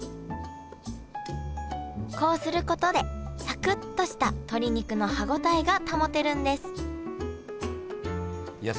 こうすることでサクっとした鶏肉の歯応えが保てるんですいや